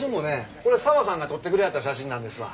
これ沢さんが撮ってくれはった写真なんですわ。